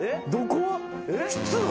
室内？